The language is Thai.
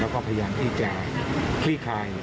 เราก็พยายามที่จะคลี่คาย